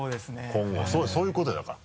今後そういうことよだから。